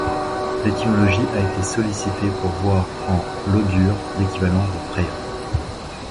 L'étymologie a été sollicitée pour voir en Lódur l'équivalent de Freyr.